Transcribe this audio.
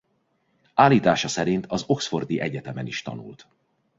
Állítása szerint az Oxfordi Egyetemen is tanult.